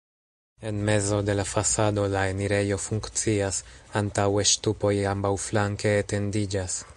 En mezo de la fasado la enirejo funkcias, antaŭe ŝtupoj ambaŭflanke etendiĝas.